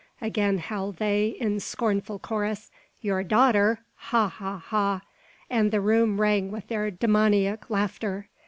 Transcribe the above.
again howled they, in scornful chorus; "your daughter! Ha! ha! ha!" and the room rang with their demoniac laughter.